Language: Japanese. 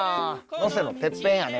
能勢のてっぺんやね